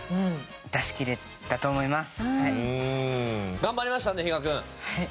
頑張りましたね比嘉君。